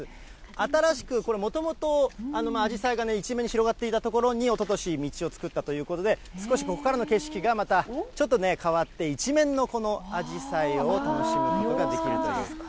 新しく、これ、もともとあじさいがね、一面に広がっていた所に、おととし、道を作ったということで、少しここからの景色がまたちょっとね、変わって、一面のこのあじさいを楽しむことができるという。